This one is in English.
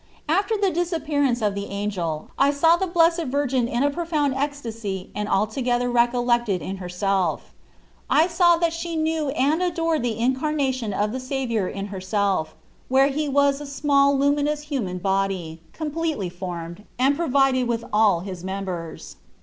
After the disappearance of the angel I saw the Blessed Virgin in a profound ecstasy and altogether recollected in her self. I saw that she knew and adored the Incarnation of the Saviour in herself, where He was as a small luminous human body, completely formed, and provided Xorfc Jesus Cbrtst. 25 with all His members.